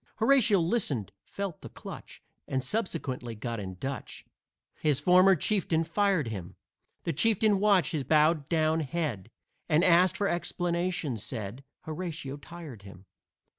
Horatio listened, felt the clutch, And subsequently got in Dutch, His former chieftain fired him. The chieftain watched his bowed down head, And, asked for explanation, said Horatio tired him.